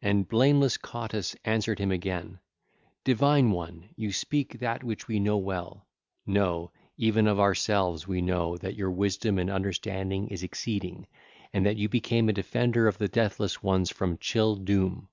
And blameless Cottus answered him again: 'Divine one, you speak that which we know well: nay, even of ourselves we know that your wisdom and understanding is exceeding, and that you became a defender of the deathless ones from chill doom.